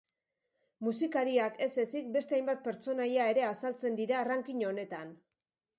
Musikariak ez ezik, beste hainbat pertsonaia ere azaltzen dira ranking honetan.